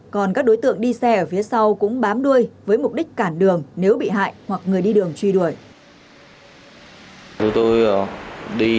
còn các đối tượng đi xe ở phía sau cũng bám đuôi với mục đích cản đường nếu bị hại hoặc người đi đường truy đuổi